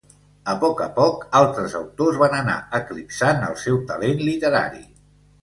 A poc a poc altres autors van anar eclipsant el seu talent literari.